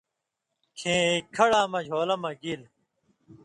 کھیں کھڑاں مجھولہ مہ گیلیۡ